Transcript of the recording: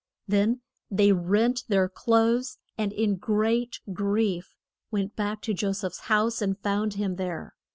Then they rent their clothes, and in great grief went back to Jo seph's house and found him there.